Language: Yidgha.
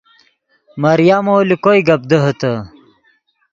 مریمو لے کوئے گپ دیہے تے